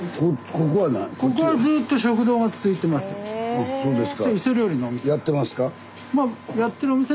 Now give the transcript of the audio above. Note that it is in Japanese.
あっそうですか。